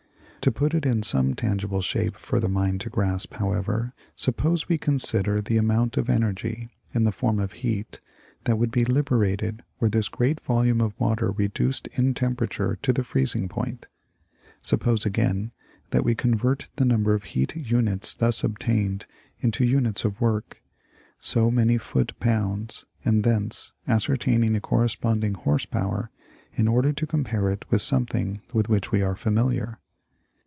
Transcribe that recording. To put it in some tangible shape for the mind to grasp, however, suppose we consider the amount of energy, in the form of heat, that would be liberated were this great volume of water reduced in temperature to the freezing point. Suppose,, again, that we convert the number of heat units thus obtained into units of work, so many foot pounds, and thence ascertain the corresponding horse power, in order to compare it with something with which we are familiar.